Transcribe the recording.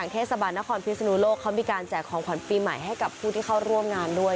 เทศบาลนครพิศนุโลกเขามีการแจกของขวัญปีใหม่ให้กับผู้ที่เข้าร่วมงานด้วย